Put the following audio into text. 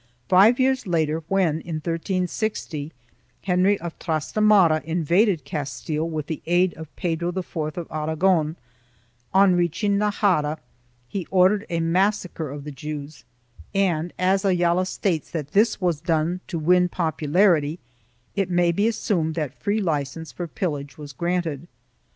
2 Five years later when, in 1360, Henry of Trasta mara invaded Castile with the aid of Pedro IV of Aragon, on reaching Najara he ordered a massacre of the Jews and, as Ayala states that this was done to win popularity, it may be assumed that free license for pillage was granted.